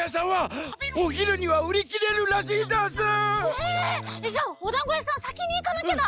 えっじゃあおだんごやさんさきにいかなきゃだ！